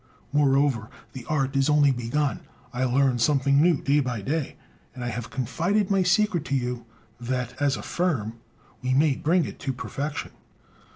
Moreover, the art is only begun; I learn something new day by day; and I have confided my secret to you, that as a firm we may bring it to perfection."